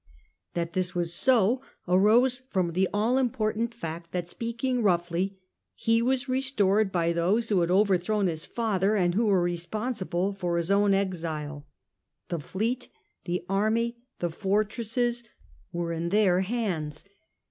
That this was so arose from the all important fact that, speaking roughly, he was restored by those who had overthrown his father and who were responsible for his own exile. The fleet, the army, the fortresses, were in their hands.